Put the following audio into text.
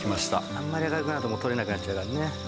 あんまり明るくなるととれなくなっちゃうからね。